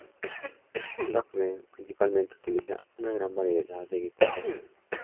Lofgren principalmente utiliza una variedad de guitarras Fender.